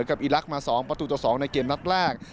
กับอิรักษณ์มาสองประตูตัวสองในเกมนัดแรก